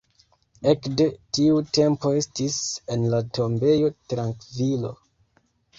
Ekde tiu tempo estis en la tombejo trankvilo.